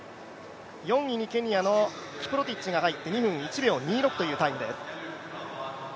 ４位にケニアのキプロティッチが入って２分１秒２６というタイムです。